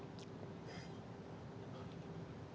sejauh ini pantauan